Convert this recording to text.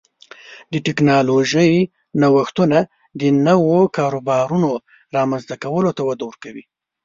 د ټکنالوژۍ نوښتونه د نوو کاروبارونو رامنځته کولو ته وده ورکوي.